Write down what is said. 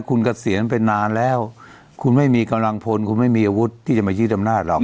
คุณเกษียณไปนานแล้วคุณไม่มีกำลังพลคุณไม่มีอาวุธที่จะมายืดอำนาจหรอก